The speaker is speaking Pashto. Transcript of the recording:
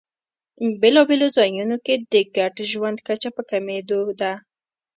بېلابېلو ځایونو کې د ګډ ژوند کچه په کمېدو ده.